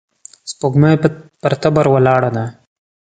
سپوږمۍ پر تبر ولاړه وه.